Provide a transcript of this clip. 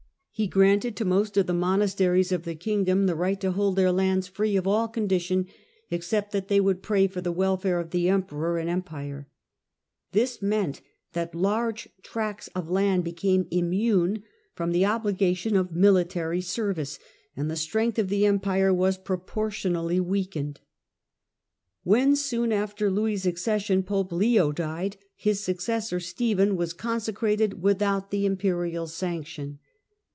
He granted to most of the monasteries of the kingdom the right to hold their lands free of all condition except that they would " pray for the welfare of the Emperor and Empire ". This meant that large tracts of lands became immune from the obligation of military service, and the strength of the Empire was proportionally weakened. When, soon after Louis' accession, Pope Leo died, his successor Stephen was consecrated without the Imperial sanction.